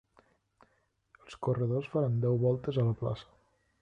Els corredors faran deu voltes a la plaça.